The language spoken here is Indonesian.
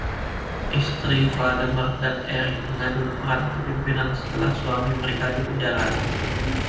Istri Valdemar dan Eric mengambil peran kepemimpinan setelah suami mereka dipenjara.